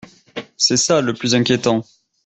C’est ça le plus inquiétant.